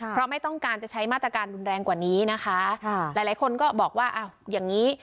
เพราะไม่ต้องการจะใช้มาตรการรุนแรงกว่านี้นะคะค่ะหลายหลายคนก็บอกว่าอ้าวอย่างงี้